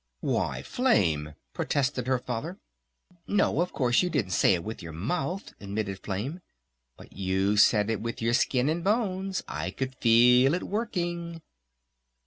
"Why, Flame!" protested her Father. "No, of course, you didn't say it with your mouth," admitted Flame. "But you said it with your skin and bones! I could feel it working."